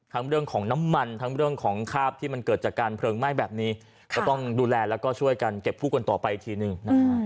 เรื่องของน้ำมันทั้งเรื่องของคาบที่มันเกิดจากการเพลิงไหม้แบบนี้ก็ต้องดูแลแล้วก็ช่วยกันเก็บคู่กันต่อไปทีนึง